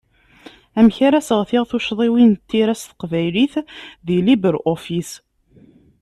Amek ara seɣtiɣ tuccḍiwin n tira s teqbaylit di LibreOffice?